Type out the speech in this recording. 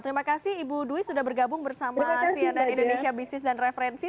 terima kasih ibu dwi sudah bergabung bersama cnn indonesia business dan referensi